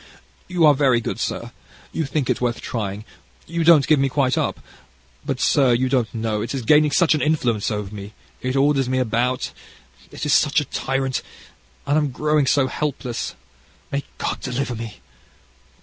"You are very good, sir; you think it worth trying, you don't give me quite up; but, sir, you don't know, it is gaining such an influence over me: it orders me about, it is such a tyrant, and I'm growing so helpless. May God deliver me!"